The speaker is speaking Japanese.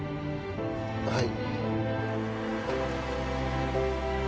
はい。